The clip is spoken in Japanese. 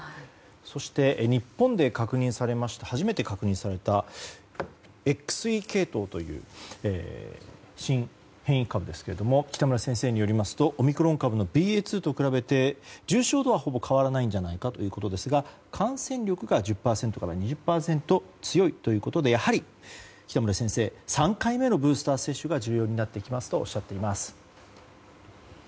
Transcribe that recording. そして、日本で初めて確認されたＸＥ系統という新変異株ですが北村先生によりますとオミクロン株のＢＡ．２と比べて重症度はほとんど変わらないんじゃないかということですが感染力が１０％から２０％強いということでやはり３回目のブースター接種が重要になってくると話しています。